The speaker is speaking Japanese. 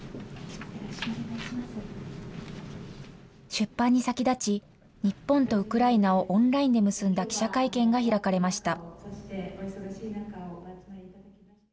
出版に先立ち、日本とウクライナをオンラインで結んだ記者会見が開かれました。